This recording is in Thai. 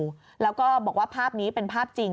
แล้วก็บอกว่าภาพนี้เป็นภาพจริง